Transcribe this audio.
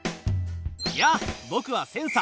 やあぼくはセンサ。